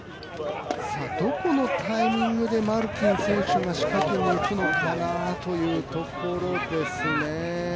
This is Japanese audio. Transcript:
どこのタイミングでマルティン選手が仕掛けにいくのかなというところですね。